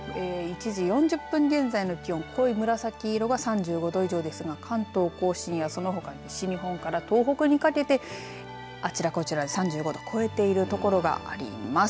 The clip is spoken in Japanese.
１時４０分現在の気温濃い紫色が３５度以上ですが関東甲信やそのほか西日本から東北にかけてあちらこちら３５度を超えてるところがあります。